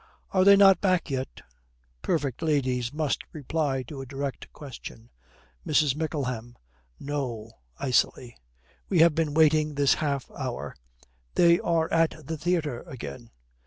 'Are they not back yet?' Perfect ladies must reply to a direct question. MRS. MICKLEHAM. 'No,' icily. 'We have been waiting this half hour. They are at the theatre again.'